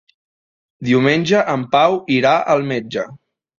Diumenge en Pau irà al metge.